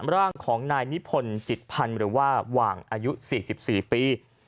ร่างของนายนิพนธ์จิตพันธ์หรือว่าหว่างอายุ๔๔ปี